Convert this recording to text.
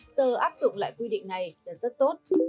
giờ áp dụng lại quy định này là rất tốt